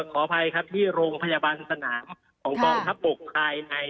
ขออภัยครับที่โรงพยาบาลสนามของกองทัพบกภายใน